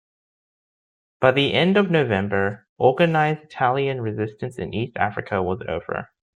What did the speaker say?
By the end of November, organized Italian resistance in East Africa was over.